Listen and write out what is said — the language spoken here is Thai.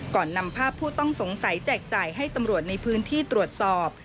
ก่อนนำภาพผู้ต้องสงสัยแจกจ่ายให้ตำรวจในพื้นที่ตรวจสอบ